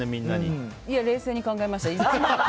冷静に考えました。